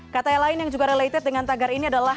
kata yang lain yang juga related dengan tagar ini adalah